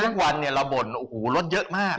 ทุกวันเนี่ยเราบ่นโอ้โหรถเยอะมาก